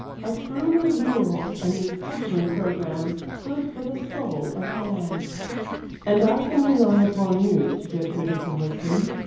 A truly rural and refreshing programme, good for the soul of man. "And I can rely upon you to get rid of the husband?"